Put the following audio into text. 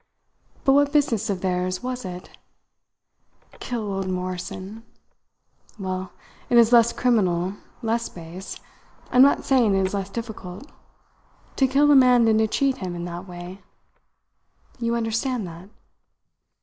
But what business of theirs was it? Kill old Morrison! Well, it is less criminal, less base I am not saying it is less difficult to kill a man than to cheat him in that way. You understand that?"